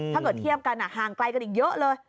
ถ้าเกิดเทียบกันห่างไกลกันอีกเยอะเลย